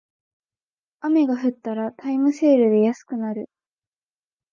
雨が降ったらタイムセールで安くなる